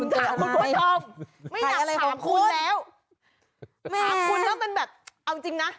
ขอบคุณแล้วเป็นแบบเอาจริงนะ